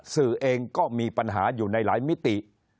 สื่อเองก็มีปัญหาอยู่ในหลายมิติ